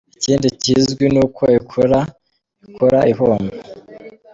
Ikindi kizwi n’uko ikora ikora ihomba !